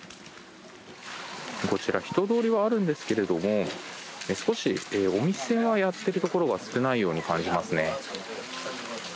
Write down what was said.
こちら人通りはあるんですけれども少しお店がやっているところが少ないように感じますね。